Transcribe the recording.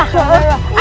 pak man